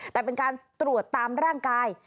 แต่เป็นการตรวจตามร่างกาย